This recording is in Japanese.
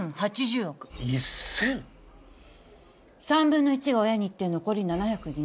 ３分の１が親にいって残り７２０。